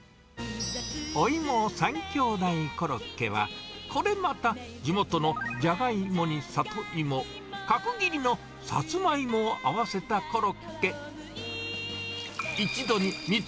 おいも三兄弟コロッケは、これまた地元のジャガイモにサトイモ、角切りのサツマイモを合わせたコロッケ。